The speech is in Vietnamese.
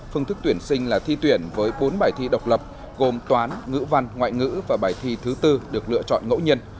phương thức tuyển sinh là thi tuyển với bốn bài thi độc lập gồm toán ngữ văn ngoại ngữ và bài thi thứ bốn được lựa chọn ngẫu nhiên